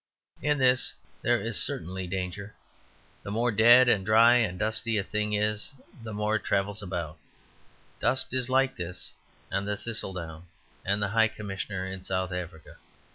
In this there is certainly danger. The more dead and dry and dusty a thing is the more it travels about; dust is like this and the thistle down and the High Commissioner in South Africa.